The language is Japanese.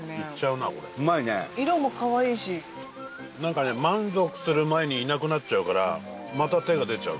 なんかね満足する前にいなくなっちゃうからまた手が出ちゃう。